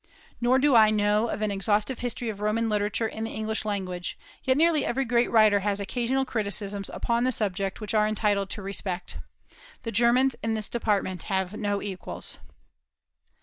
Nor do I know of an exhaustive history of Roman literature in the English language; yet nearly every great writer has occasional criticisms upon the subject which are entitled to respect. The Germans, in this department, have no equals.